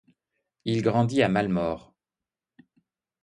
Il grandit à Mallemort.